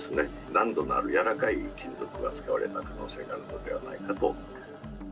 軟度のある軟らかい金属が使われた可能性があるのではないかと。